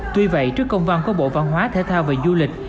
tuy vậy trước công văn của bộ văn hóa thể thao và du lịch